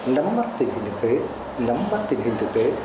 nắm mắt tình hình thực tế nắm bắt tình hình thực tế